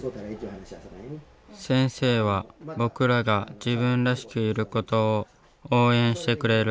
先生は僕らが自分らしくいることを応援してくれる。